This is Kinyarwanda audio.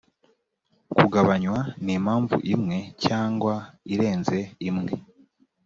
kugabanywa n impamvu imwe cyangwa irenze imwe